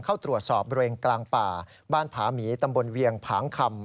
เข้าตรวจสอบบริเวณกลางป่าบ้านผาหมีตำบลเวียงผางคำ